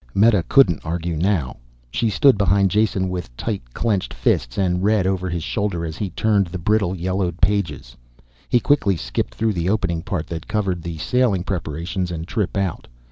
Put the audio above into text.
Meta couldn't argue now. She stood behind Jason with tight clenched fists and read over his shoulder as he turned the brittle, yellowed pages. He quickly skipped through the opening part that covered the sailing preparations and trip out.